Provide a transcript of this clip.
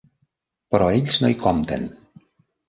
Però ells no hi compten.